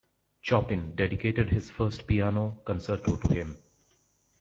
Chopin dedicated his first piano concerto to him.